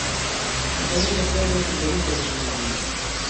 پکورې له پیازو او کچالو سره جوړېږي